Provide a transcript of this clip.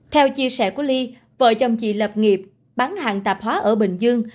theo chia sẻ của ly vợ chồng chị lập nghiệp bán hàng tạp hóa ở bình dương